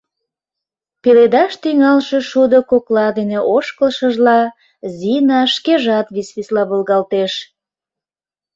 Пеледаш тӱҥалше шудо кокла дене ошкылшыжла, Зина шкежат висвисла волгалтеш.